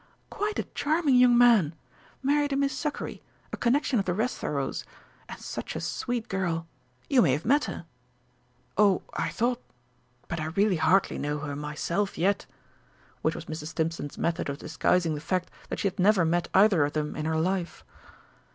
Quite a charming young man married a Miss Succory, a connection of the Restharrows, and such a sweet girl! You may have met her?... Oh, I thought but I really hardly know her myself yet," (which was Mrs. Stimpson's method of disguising the fact that she had never met either of them in her life).